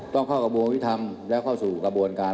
ต้องเข้ากระบวนวิธรรมแล้วเข้าสู่กระบวนการ